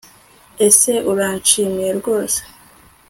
Ese Urabyishimiye rwose